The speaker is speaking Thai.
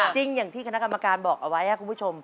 จริงอย่างที่คณะกรรมการบอกเอาไว้ครับคุณผู้ชม